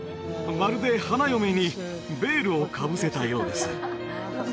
まるで花嫁にベールをかぶせたようです